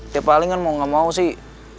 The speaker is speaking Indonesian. tiap kali kan mau gak mau sih